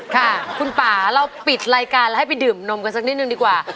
ค่ะคุณป่าเราปิดรายการแล้วให้ไปดื่มนมกันสักนิดนึงดีกว่า